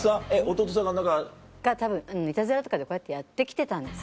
弟さんが？がたぶんいたずらとかでこうやってやって来てたんです。